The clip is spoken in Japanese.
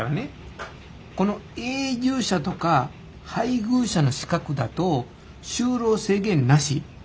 この「永住者」とか「配偶者」の資格だと「就労制限なし」。